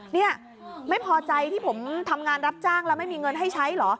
นี่ไม่พอใจที่ผมทำงานรับจ้างแล้วไม่มีเงินให้ใช้เหรอ